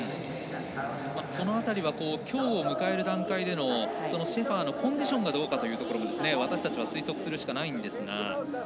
その辺りはきょうを迎える段階でのシェファーのコンディションがどうかというのも私たちは推測するしかないんですが。